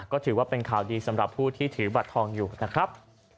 ก็ถือว่าเป็นข่าวดีสำหรับผู้ที่ถือบัตรทองอยู่นะครับ